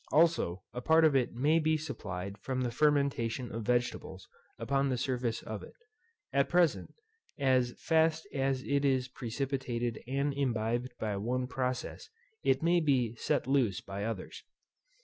Also a part of it may be supplied from the fermentation of vegetables upon the surface of it. At present, as fast as it is precipitated and imbibed by one process, it may be set loose by others.